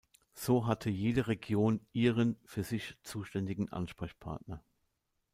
So hatte jede Region „ihren“ für sich zuständigen Ansprechpartner.